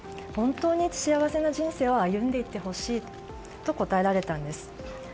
本当に幸せな人生を歩んでいってほしいと答えられたんです。